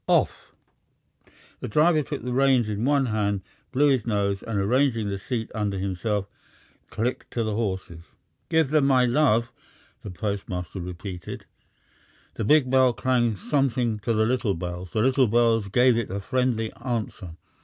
Off!" The driver took the reins in one hand, blew his nose, and, arranging the seat under himself, clicked to the horses. "Give them my love," the postmaster repeated. The big bell clanged something to the little bells, the little bells gave it a friendly answer.